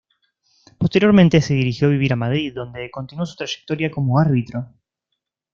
Posteriormente se dirigió a vivir a Madrid, dónde continuó su trayectoria como árbitro.